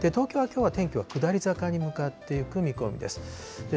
東京はきょうは天気は下り坂に向かっていく見込みです。